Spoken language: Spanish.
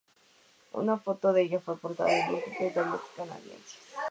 Una foto de ella fue portada de múltiples diarios canadienses.